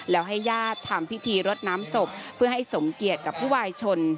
แล้วให้ญาติทำพิธีรดน้ำศพเพื่อให้สมเกียจกับผู้วายชน